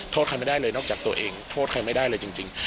โทษใครไม่ได้เลยนอกจากตัวเองโทษใครไม่ได้เลยจริง